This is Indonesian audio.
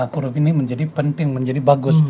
huruf ini menjadi penting menjadi bagus